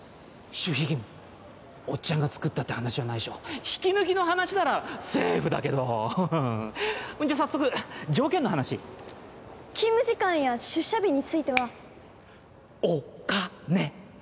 守秘義務おっちゃんが作ったって話はナイショ引き抜きの話ならセーフだけどんじゃ早速条件の話勤務時間や出社日についてはお・か・ね！